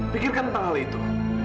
pikirkan tentang hal itu